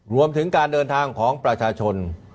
รวมถึงการเดินทางของประชาชน